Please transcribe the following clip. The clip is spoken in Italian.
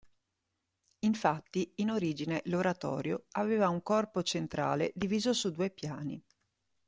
Infatti in origine l'oratorio aveva un corpo centrale diviso su due piani.